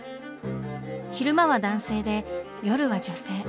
昼間は男性で夜は女性。